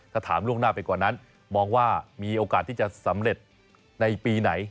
ถ้าถามล่วงหน้าไปกว่านั้นมองว่ามีโอกาสที่จะสำเร็จในปีไหน